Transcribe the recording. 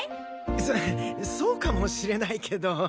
そそうかもしれないけど。